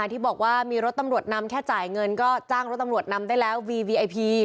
ที่บอกว่ามีรถตำรวจนำแค่จ่ายเงินก็จ้างรถตำรวจนำได้แล้ววีวีไอพี